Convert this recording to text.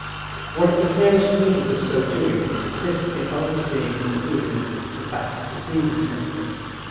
One of the clearest means of so doing consists in only seeing in the feeling the fact of perceiving something.